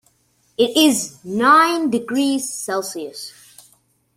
It is nine degrees Celsius.